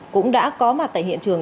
cũng đã có mặt tại hiện trường